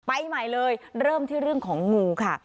ไปใหม่เลยเริ่มที่เรื่องของงูค่ะ